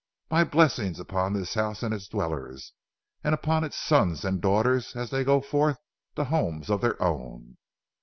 My blessing upon this house and its dwellers, and upon its sons and daughters as they go forth to homes of their own."